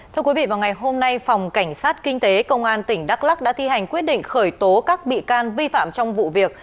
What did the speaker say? thưa quý vị vào ngày hôm nay phòng cảnh sát kinh tế công an tỉnh đắk lắc đã thi hành quyết định khởi tố các bị can vi phạm trong vụ việc